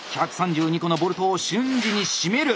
１３２個のボルトを瞬時に締める！